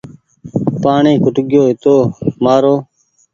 پآڻيٚ کٽگيو هيتومآرو